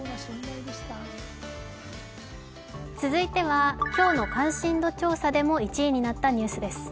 続いては今日の「関心度調査」でも１位になったニュースです。